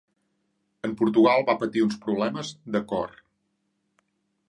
En Portugal va patir uns problemes de cor.